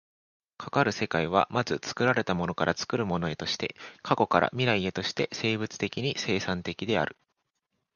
かかる世界は、まず作られたものから作るものへとして、過去から未来へとして生物的に生産的である。